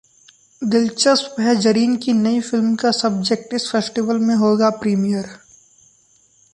दिलचस्प है जरीन की नई फिल्म का सब्जेक्ट, इस फेस्टिवल में होगा प्रीमियर